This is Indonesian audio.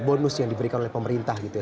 bonus yang diberikan oleh pemerintah gitu ya